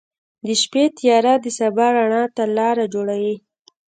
• د شپې تیاره د سبا رڼا ته لاره جوړوي.